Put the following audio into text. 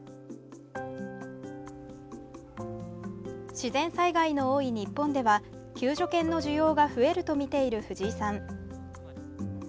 自然災害の多い日本では救助犬の需要が増えるとみている藤井さん。